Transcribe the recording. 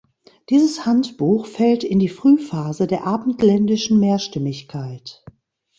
Dieses „Handbuch“ fällt in die Frühphase der abendländischen Mehrstimmigkeit.